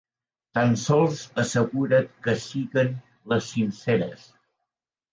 Tan sols assegura't que siguen les sinceres.